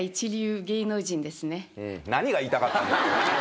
何が言いたかったんだよ。